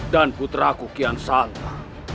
dan putraku kian salma